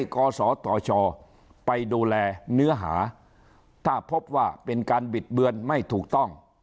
กศธชไปดูแลเนื้อหาถ้าพบว่าเป็นการบิดเบือนไม่ถูกต้อง